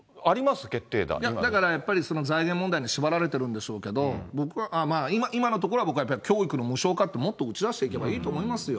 だから財源問題に縛られてるんでしょうけど、僕は今のところは僕は教育の無償化ってもっと打ち出していけばいいと思いますよ。